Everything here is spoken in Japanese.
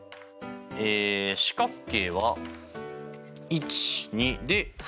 四角形は１２で２つ。